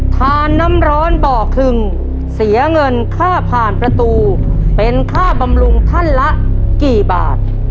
ทานน้ำร้อนบ่อคึงเสียเงินค่าผ่านประตูเป็นค่าบำรุงท่านละกี่บาท